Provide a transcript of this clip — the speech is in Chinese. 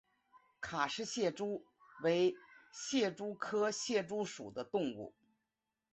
卡氏蟹蛛为蟹蛛科蟹蛛属的动物。